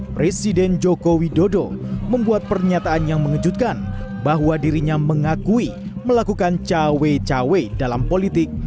presiden joko widodo membuat pernyataan yang mengejutkan bahwa dirinya mengakui melakukan cawe cawe dalam politik